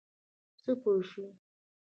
څه پوه شوې.